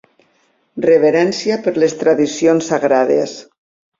Reverència per les tradicions sagrades.